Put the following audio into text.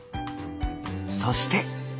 そして。